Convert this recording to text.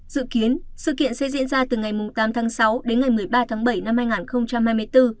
dự kiến sự kiện sẽ diễn ra từ ngày tám tháng sáu đến ngày một mươi ba tháng bảy năm hai nghìn hai mươi bốn